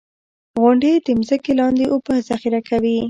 • غونډۍ د ځمکې لاندې اوبه ذخېره کوي.